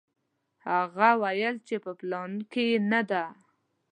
هغه وویل چې په پلان کې نه ده.